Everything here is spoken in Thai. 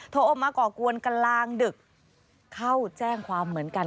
ออกมาก่อกวนกลางดึกเข้าแจ้งความเหมือนกัน